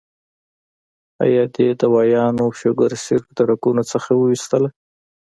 ايا دې دوايانو شوګر صرف د رګونو نه اوويستۀ